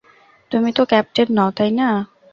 তুমি তো ক্যাপ্টেন নও, তাই না?